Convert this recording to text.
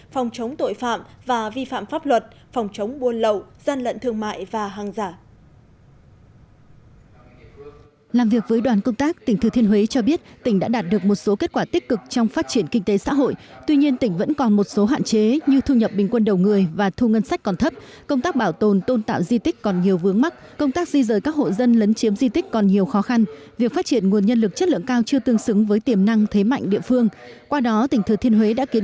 phòng chống tội phạm và vi phạm pháp luật phòng chống buôn lậu gian lận thương mại và hàng giả